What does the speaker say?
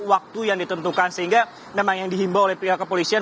waktu yang ditentukan sehingga memang yang dihimbau oleh pihak kepolisian